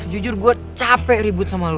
jujur gue capek ribut sama lo